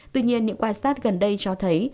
tuy nhiên những quan sát gần đây cho thấy